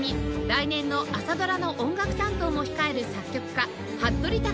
来年の朝ドラの音楽担当も控える作曲家服部之さん